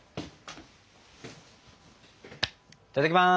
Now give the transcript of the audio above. いただきます。